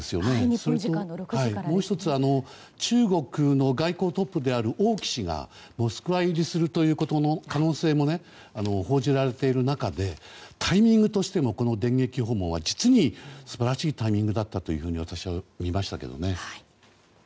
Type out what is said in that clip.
それと、もう１つ中国の外交トップである王毅氏がモスクワ入りするという可能性も報じられている中でタイミングとしてもこの電撃訪問は実に素晴らしいタイミングだったと私は、みましたけどもね。